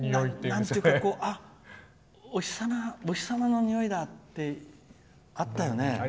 なんていうかお日様のにおいだってあったよね。